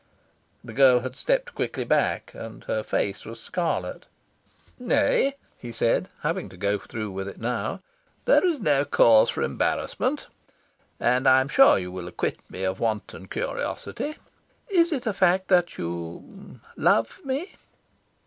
The girl had stepped quickly back, and her face was scarlet. "Nay," he said, having to go through with it now, "there is no cause for embarrassment. And I am sure you will acquit me of wanton curiosity. Is it a fact that you love me?"